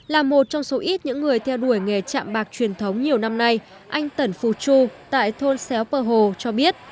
là một trong số ít những người theo đuổi nghề chạm bạc truyền thống nhiều năm nay anh tần phụ chu tại thôn xéo bờ hồ cho biết